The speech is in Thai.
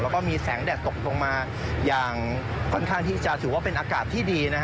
แล้วก็มีแสงแดดตกลงมาอย่างค่อนข้างที่จะถือว่าเป็นอากาศที่ดี